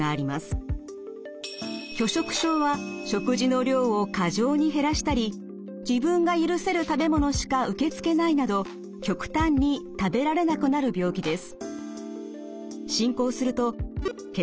拒食症は食事の量を過剰に減らしたり自分が許せる食べ物しか受け付けないなど極端に食べられなくなる病気です。